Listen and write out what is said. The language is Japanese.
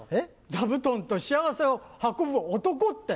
「座布団と幸せを運ぶ男」って。